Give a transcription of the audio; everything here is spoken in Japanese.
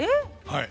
はい。